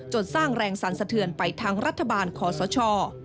สร้างแรงสรรสะเทือนไปทั้งรัฐบาลคอสช